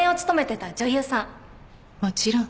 もちろん。